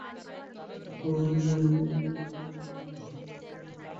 আমার বাবা নিজের হাতে নিজের মতো করে লিখে নোট করে রাখতেন।